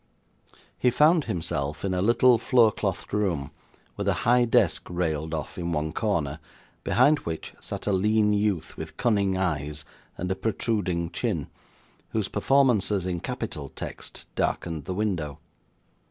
He found himself in a little floor clothed room, with a high desk railed off in one corner, behind which sat a lean youth with cunning eyes and a protruding chin, whose performances in capital text darkened the window.